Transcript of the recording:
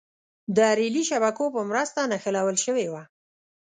د رېلي شبکو په مرسته نښلول شوې وه.